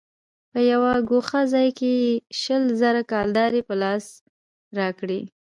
په يوه گوښه ځاى کښې يې شل زره کلدارې په لاس راکړې.